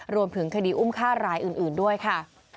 รวมถึงคดีอุ้มฆ่ารายอื่นด้วยค่ะ